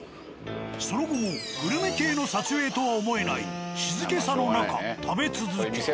その後もグルメ系の撮影とは思えない静けさの中食べ続け。